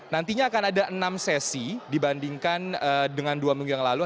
nantinya akan ada enam sesi dibandingkan dengan dua minggu yang lalu